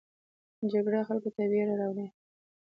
جګړه خلکو ته ویره راوړي